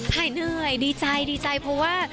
หายเหนื่อยดีใจดีใจเพราะว่า